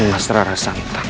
ini mas rara santang